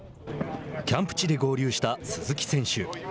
キャンプ地で合流した鈴木選手。